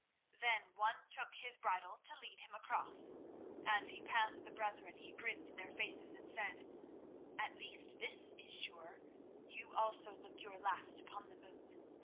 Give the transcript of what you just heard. Then one took his bridle to lead him across. As he passed the brethren he grinned in their faces and said: "At least this is sure, you also look your last upon the moon.